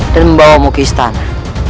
dan membawamu ke istana